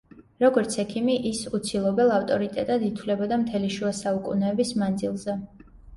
როგორც ექიმი, ის უცილობელ ავტორიტეტად ითვლებოდა მთელი შუა საუკუნეების მანძილზე.